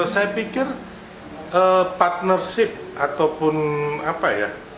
saya pikir partnership ataupun apa ya